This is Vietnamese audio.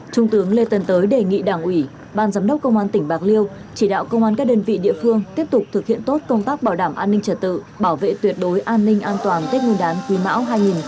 trung tướng lê tân tới đề nghị đảng ủy ban giám đốc công an tỉnh bạc liêu chỉ đạo công an các đơn vị địa phương tiếp tục thực hiện tốt công tác bảo đảm an ninh trật tự bảo vệ tuyệt đối an ninh an toàn tết nguyên đán quý mão hai nghìn hai mươi bốn